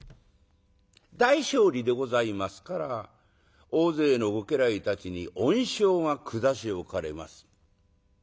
大勝利でございますから大勢のご家来たちに恩賞が下しおかれます。